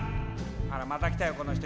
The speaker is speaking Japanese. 「あらまた来たよこの人。